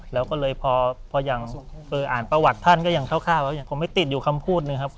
แล้วก็เลยพออย่างอ่านประวัติท่านก็ยังคร่าวยังคงไม่ติดอยู่คำพูดหนึ่งครับ